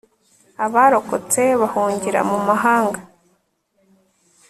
abarokotse bahungira mu mahanga